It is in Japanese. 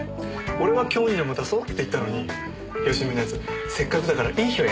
俺は今日にでも出そうって言ったのに佳美のやつせっかくだからいい日を選びたいって。